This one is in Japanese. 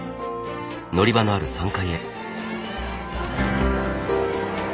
乗り場のある３階へ。